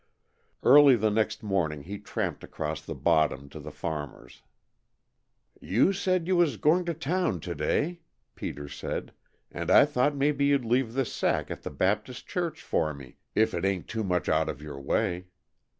Early the next morning he tramped across the "bottom" to the farmer's. "You said you was going to town to day," Peter said, "and I thought maybe you'd leave this sack at the Baptist Church for me, if it ain't too much out of your way.